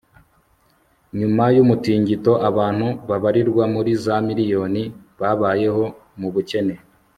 nyuma y'umutingito, abantu babarirwa muri za miriyoni babayeho mu bukene